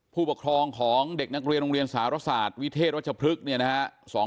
ผู้ปกครองของเด็กนักเรียนโรงเรียนสหรัฐศาสตร์วิเทศรัชพฤกษ์